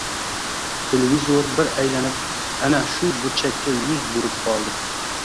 Televizor bir aylanib... ana shu burchakka yuz burib qoldi!